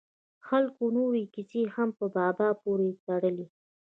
خلکو نورې کیسې هم په بابا پورې تړل.